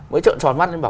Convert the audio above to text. mới trợn tròn mắt lên bảo